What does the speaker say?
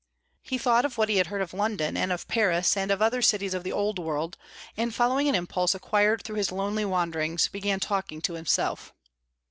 He thought of what he had heard of London, and of Paris, and of other cities of the old world; and following an impulse acquired through his lonely wanderings, began talking to himself.